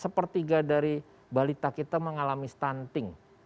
sepertiga dari balita kita mengalami stunting